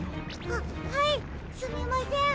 あっはいすみません。